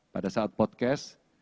pada saat podcast